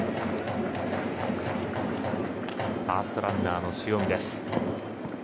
ファーストランナーの塩見。